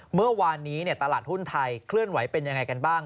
เมื่อวานนี้ตลาดหุ้นไทยเคลื่อนไหวเป็นยังไงกันบ้าง